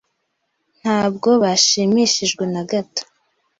Ntabwo bashimishijwe na gato.